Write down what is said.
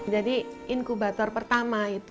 jadi inkubator pertama itu